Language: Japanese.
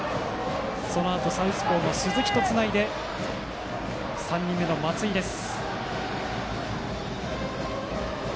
そのあとサウスポーの鈴木とつないで３人目の松井です。